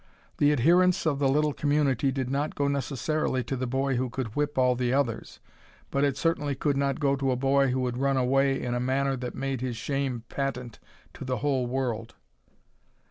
The adherence of the little community did not go necessarily to the boy who could whip all the others, but it certainly could not go to a boy who had run away in a manner that made his shame patent to the whole world.